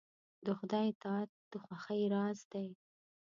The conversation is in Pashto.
د خدای اطاعت د خوښۍ راز دی.